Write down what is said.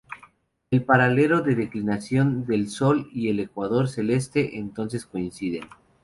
El paralelo de declinación del Sol y el ecuador celeste entonces coinciden.